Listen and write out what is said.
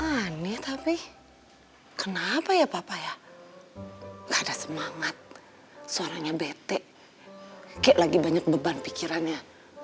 aneh tapi kenapa ya papa ya gak ada semangat suaranya bete kayak lagi banyak beban pikirannya